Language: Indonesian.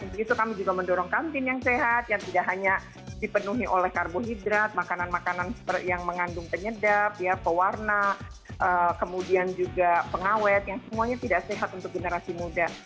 begitu kami juga mendorong kantin yang sehat yang tidak hanya dipenuhi oleh karbohidrat makanan makanan yang mengandung penyedap pewarna kemudian juga pengawet yang semuanya tidak sehat untuk generasi muda